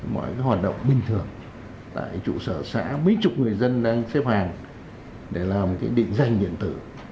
mọi hoạt động bình thường tại trụ sở xã mấy chục người dân đang xếp hàng để làm định dành điện tử